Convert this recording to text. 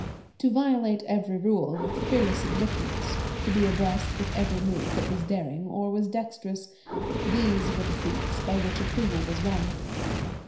To violate every rule with fearless indifference, to be abreast with every move that was daring or was dexterous, these were the feats by which approval was won.